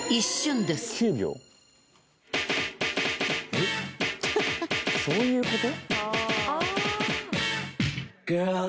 えっそういうこと？